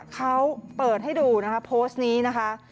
เขาเปิดให้ดูนะคะโพสต์นี้นะคะ